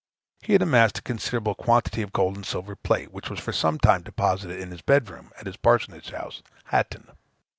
He had amassed a considerable quantity of gold and silver plate, which was for some time deposited in his bed room at his parsonage house, Hatton.